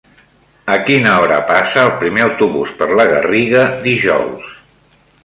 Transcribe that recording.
A quina hora passa el primer autobús per la Garriga dijous?